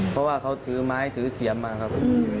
เพราะว่าเขาถือไม้ถือเสียมมาครับ